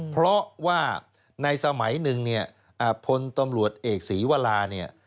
เพราะว่าในสมัยหนึ่งพลตำรวจเอกศรีวราฯ